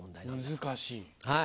難しい。